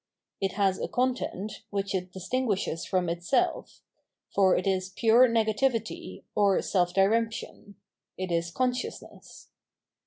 It has a content, which it distinguishes from itself ; for it is pure negativity, or self diremption ; it is consciousness.